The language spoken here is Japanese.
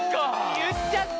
言っちゃった。